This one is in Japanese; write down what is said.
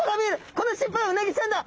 この尻尾はうなぎちゃんだ！